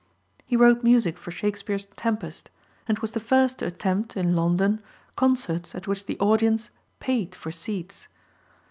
He wrote music for Shakespeare's Tempest, and was the first to attempt, in London, concerts at which the audience paid for seats.